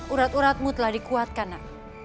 urat uratmu telah dikuatkan nak